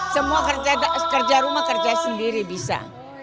semua kerja rumah kerja sendiri bisa